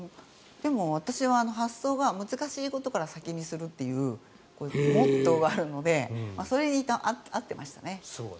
でも私は発想が難しいことから先にやるというモット−があるのでそれに合ってましたね。